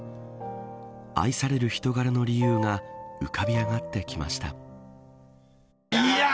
愛される人柄の理由が浮かび上がってきました。